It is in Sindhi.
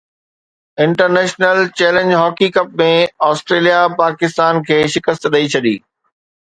international challenge hockey cup ۾ Australia Pakistan کي شڪست ڏئي ڇڏي